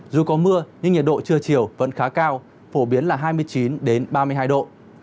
dù có mưa nhưng nhiệt độ trưa chiều vẫn khá cao phổ biến là hai mươi chín ba mươi hai độ